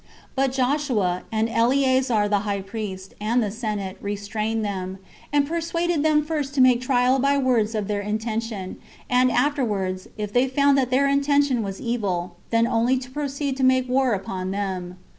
But Joshua, and Eleazar the high priest, and the senate, restrained them; and persuaded them first to make trial by words of their intention, and afterwards, if they found that their intention was evil, then only to proceed to make war upon them.